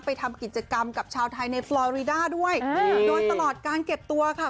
ทำกิจกรรมกับชาวไทยในฟลอรีด้าด้วยโดยตลอดการเก็บตัวค่ะ